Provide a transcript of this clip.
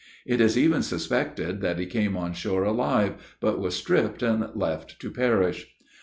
It is even suspected that he came on shore alive, but was stripped and left to perish.